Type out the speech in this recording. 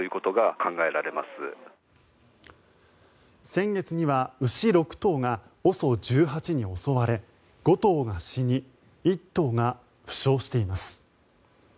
先月には牛６頭がＯＳＯ１８に襲われ５頭が死に１頭が負傷しています。